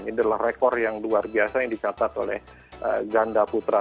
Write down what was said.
ini adalah rekor yang luar biasa yang dicatat oleh ganda putra